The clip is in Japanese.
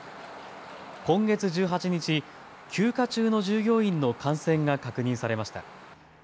今月１８日、休暇中の従業員の感染が確認されました。